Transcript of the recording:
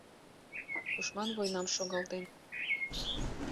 Тушман войнам шогалтен.